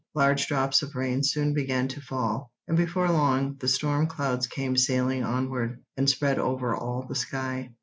Large drops of rain soon began to fall, and before long the storm clouds came sailing onward, and spread over all the sky.